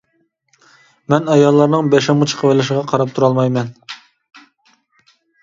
مەن ئاياللارنىڭ بېشىمغا چىقىۋېلىشىغا قاراپ تۇرالمايمەن.